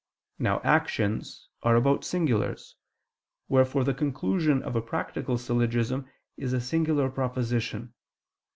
Now actions are about singulars: wherefore the conclusion of a practical syllogism is a singular proposition.